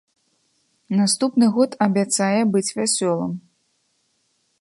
Наступны год абяцае быць вясёлым.